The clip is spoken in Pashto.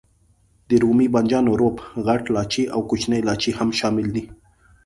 د رومي بانجانو روب، غټ لاچي او کوچنی لاچي هم شامل دي.